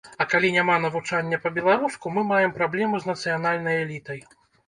А калі няма навучання па-беларуску, мы маем праблему з нацыянальнай элітай.